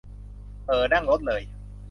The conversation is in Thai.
เอ่อ นั่งรถเลย